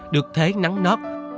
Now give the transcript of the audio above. được thế nắng nớp